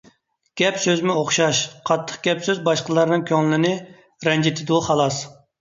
گەپ-سۆزمۇ ئوخشاش. قاتتىق گەپ-سۆز باشقىلارنىڭ كۆڭلىنى رەنجىتىدۇ، خالاس.